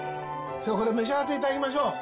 さあこれ召し上がって頂きましょう！